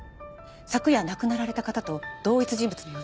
昨夜亡くなられた方と同一人物のようです。